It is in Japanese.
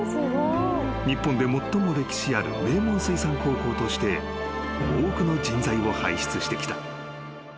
［日本で最も歴史ある名門水産高校として多くの人材を輩出してきた］